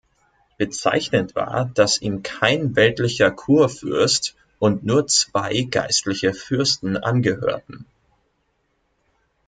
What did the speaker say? Bezeichnend war, dass ihm kein weltlicher Kurfürst und nur zwei geistliche Fürsten angehörten.